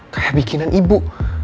kayak bikinan ibu